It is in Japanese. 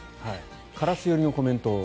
カラス寄りのコメントを。